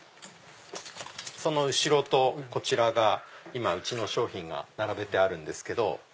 後ろとこちらがうちの商品が並べてあるんです。